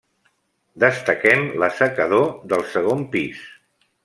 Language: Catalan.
Destaquem l'assecador del segon pis.